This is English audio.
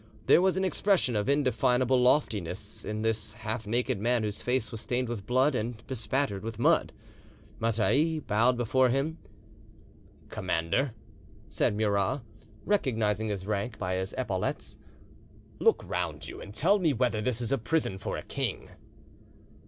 There was an expression of indefinable loftiness in this half naked man whose face was stained with blood and bespattered with mud. Mattei bowed before him. "Commander," said Murat, recognising his rank by his epaulettes, "look round you and tell me whether this is a prison for a king."